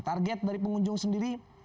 target dari pengunjung sendiri